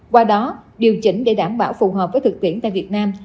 qua đó điều chỉnh để đảm bảo phù hợp với thực tiễn tại việt nam